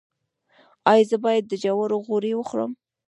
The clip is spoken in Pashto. ایا زه باید د جوارو غوړي وخورم؟